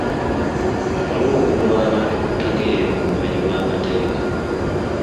Waaliwo okugoba abantu ku ttaka eryo mu bumenyi bw'amateeka.